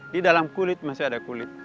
di dalam kulit masih ada kulit